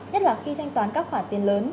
nhất là khi thanh toán các khoản tiền lớn